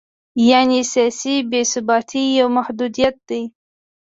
یعنې سیاسي بې ثباتي یو محدودیت دی.